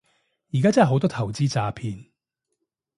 而家真係好多投資詐騙